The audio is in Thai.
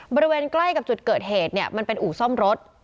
บริเวณใกล้กับจุดเกิดเหตุเนี่ยมันเป็นอู่ซ่อมรถ